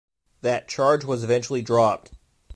That charge was eventually dropped.